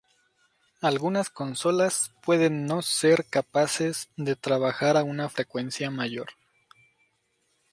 Algunas consolas pueden no ser capaces de trabajar a una frecuencia mayor.